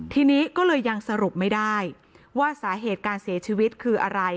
ทีนี้ก็เลยยังสรุปไม่ได้ว่าสาเหตุการเสียชีวิตคืออะไร